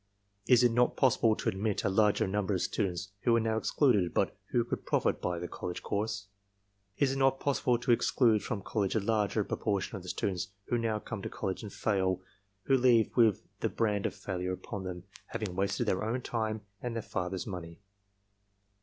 Is it not possible to admit a larger number of students who are now excluded but who could profit by the college course? Is it not possible to exclude from college a larger proportion of the students who now come to college and fail, who leave with the brand of failure upon them, having wasted their own time and their fathers' money?